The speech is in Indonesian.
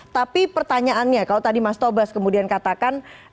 tapi pertanyaannya kalau tadi mas tobas kemudian katakan